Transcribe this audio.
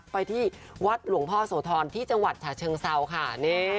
ไปที่วัดหลวงพ่อโสธรที่จังหวัดฉะเชิงเซาค่ะ